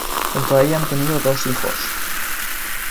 Junto a ella han tenido dos hijos.